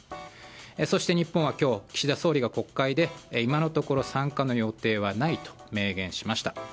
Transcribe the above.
そして日本は今日、岸田総理が国会で今のところ参加の予定はないと明言しました。